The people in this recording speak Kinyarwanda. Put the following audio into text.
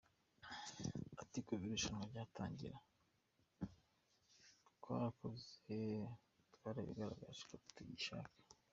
Ati « Kuva irushanwa ryatangira, twarakoze, twarabigaragaje ko tugishaka.